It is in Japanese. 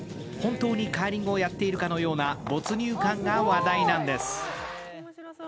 本当にカーリングをやっているかのような没入感が話題なんです。